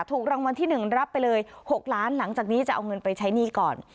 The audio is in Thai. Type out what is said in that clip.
ถูกรางวัลที่๑รับไปเลย๖ล้านหลังจากนี้จะเอาเงินไปใช้หนี้ก่อน